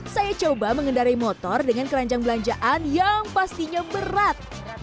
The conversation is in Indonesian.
saya coba mengendari motor dengan keranjang belanjaan yang pastinya berat